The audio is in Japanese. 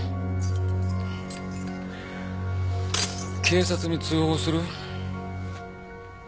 警察に通報する？